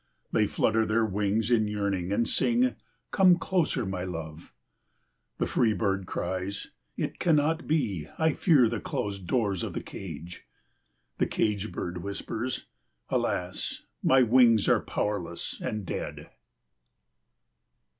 They flutter their wings in yearning, and sing, "Come closer, my love!" The free bird cries, "It cannot be, I fear the closed doors of the cage." The cage bird whispers, "Alas, my wings are powerless and dead."